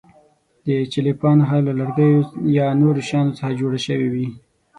د چلیپا نښه له لرګیو یا نورو شیانو څخه جوړه شوې وي.